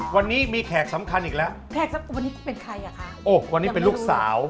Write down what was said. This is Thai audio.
วันนี้มีแขกสำคัญอีกแล้ววันนี้เป็นใครคะวันนี้เป็นลูกสาว